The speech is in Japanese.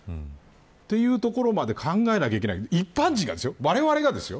というところまで考えなければいけない一般人、われわれがです。